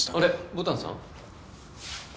牡丹さん。